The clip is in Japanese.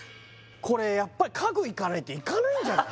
これやっぱ家具いかないといかないんじゃない？